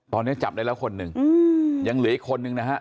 ตอนนี้จับได้แล้วคนหนึ่งยังเหลืออีกคนนึงนะฮะ